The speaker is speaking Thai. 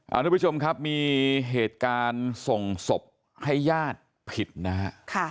ทุกผู้ชมครับมีเหตุการณ์ส่งศพให้ญาติผิดนะฮะ